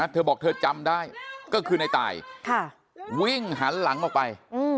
เธอบอกเธอจำได้ก็คือในตายวิ่งหันหลังออกไป